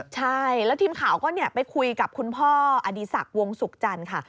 ใช่แล้วทีมข่าวก็ไปคุยกับคุณพ่ออดีศักดิ์วงศุกร์จันทร์ค่ะ